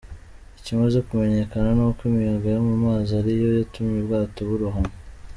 Ikimaze kumenyekana ni uko imiyaga yo mu mazi ari yo yatumye ubwato burohama.